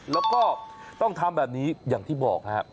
แล้วก็ต้องทำแบบนี้อย่างที่บอกครับ